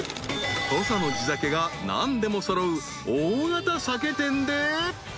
［土佐の地酒が何でも揃う大型酒店で］